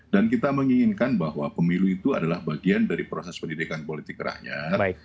dan kita menginginkan bahwa pemilu itu adalah bagian dari proses pendidikan politik rakyat